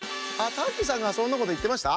ターキーさんがそんなこといってました？